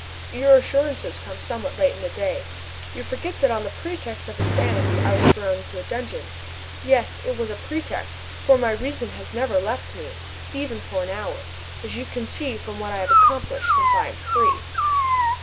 Your assurances come somewhat late in the day. You forget that on the pretext of insanity, I was thrown into a dungeon. Yes, it was a pretext; for my reason has never left me, even for an hour, as you can see from what I have accomplished since I am free."